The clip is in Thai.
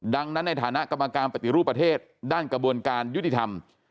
ดังนั้นในฐานะกรรมการปฏิรูปประเทศด้านกระบวนการยุติธรรม